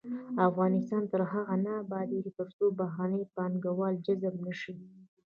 افغانستان تر هغو نه ابادیږي، ترڅو بهرني پانګوال جذب نشي.